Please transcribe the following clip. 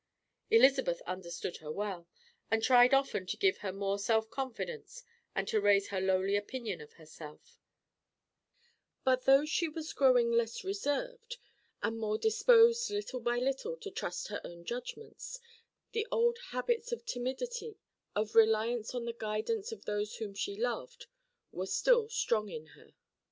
Elizabeth understood her well, and tried often to give her more self confidence and to raise her lowly opinion of herself; but though she was growing less reserved, and more disposed little by little to trust her own judgments, the old habits of timidity, of reliance on the guidance of those whom she loved, were still strong in her.